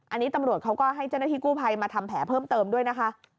อันนี้ตำรวจเขาก็ให้เจ้าหน้าที่กู้ภัยมาทำแผลเพิ่มเติมด้วยนะคะ